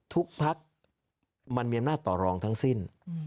ทุกพักมันมีอำนาจต่อรองทั้งสิ้น